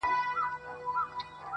چي شریک یې په قدرت سي په ښکارونو!.